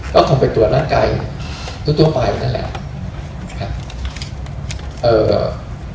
ก็คงไปตรวจนั่นไกลทั่วไปนั่นแหละครับ